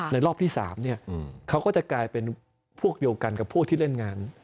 รอบที่๓เขาก็จะกลายเป็นพวกเดียวกันกับพวกที่เล่นงาน